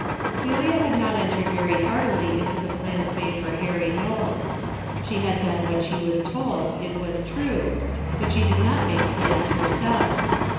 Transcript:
212 A DAILY EATE:^ Celia had not entered very heartily into the plans made for Harry Knowles. Slip had done what she was told, it was true, but she had not made plans herself.